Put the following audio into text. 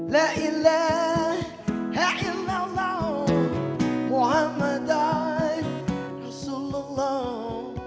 laillah haillallah muhammadah rasulullah